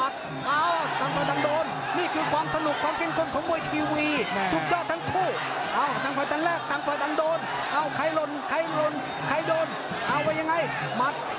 เต้นหัวหล่อเต้นหัวหล่อต้องมัด